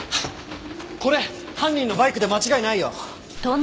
これ犯人のバイクで間違いないよ。